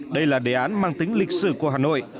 đây là đề án mang tính lịch sử của hà nội